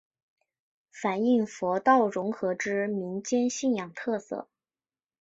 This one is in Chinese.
反应佛道融合之民间信仰特色。